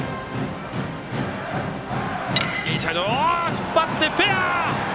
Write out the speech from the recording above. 引っ張ってフェア！